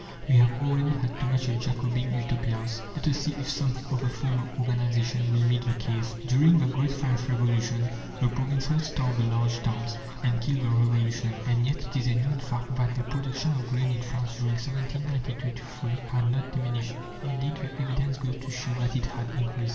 We have already had too much of Jacobin Utopias! Let us see if some other form of organization will meet the case. During the great French Revolution, the provinces starved the large towns, and killed the Revolution. And yet it is a known fact that the production of grain in France during 1792 3 had not diminished; indeed, the evidence goes to show that it had increased.